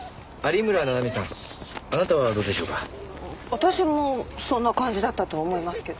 私もそんな感じだったと思いますけど。